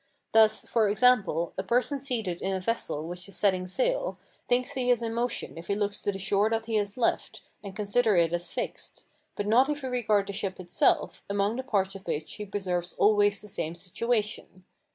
Thus, for example, a person seated in a vessel which is setting sail, thinks he is in motion if he look to the shore that he has left, and consider it as fixed; but not if he regard the ship itself, among the parts of which he preserves always the same situation.